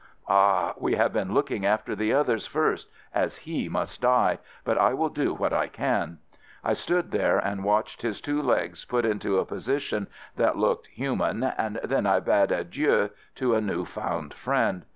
"Ah, we have been looking after the others first, as he must die, but I will do what I can." I stood there and watched his two legs put into a position that looked hu man, and then I bade adieux to a new found friend.